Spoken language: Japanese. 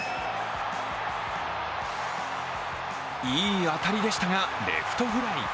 いい当たりでしたがレフトフライ。